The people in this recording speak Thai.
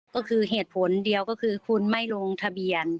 ก็คือเหตุผลเดียวก็คือคุณไม่ลงทะเบียน